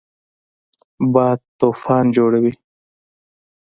باد طوفان جوړوي